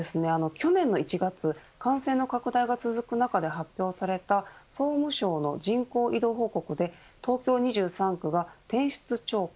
去年の１月感染の拡大が続く中で発表された総務省の人口移動報告で東京２３区が転出超過